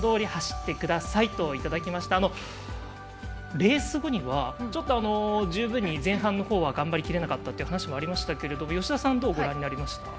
レース後にはちょっと十分に前半は頑張りきれなかったという話もありましたけれども吉田さん、どうご覧になりました。